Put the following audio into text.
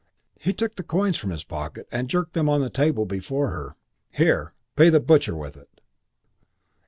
He took the coins from his pocket, and jerked them on the table before her. "Here, pay the butcher with it."